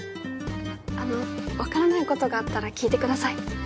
あの分からないことがあったら聞いてください。